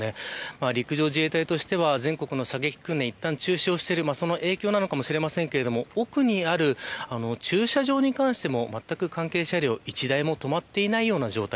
陸上自衛隊としては全国の射撃訓練をいったん中止している影響なのかもしれませんが奥にある駐車場に関してもまったく関係車両１台も止まっていないような状態